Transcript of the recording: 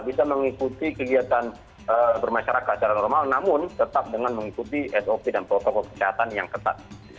bisa mengikuti kegiatan bermasyarakat secara normal namun tetap dengan mengikuti sop dan protokol kesehatan yang ketat